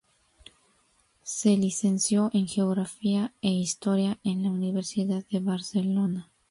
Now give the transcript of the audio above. Se licenció en Geografía e Historia en la Universidad de Barcelona.